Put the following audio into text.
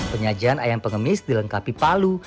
penyajian ayam pengemis dilengkapi palu